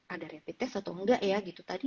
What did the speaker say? ada rapid test atau enggak ya gitu tadi